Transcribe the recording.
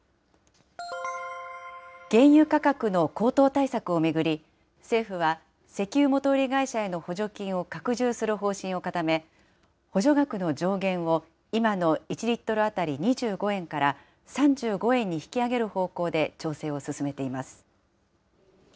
原油価格の高騰対策を巡り、政府は石油元売り会社への補助金を拡充する方針を固め、補助額の上限を今の１リットル当たり２５円から３５円に引き上げる方向で調整を進めています。